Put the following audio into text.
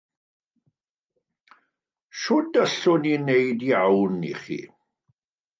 Sut allwn ni wneud iawn i chi?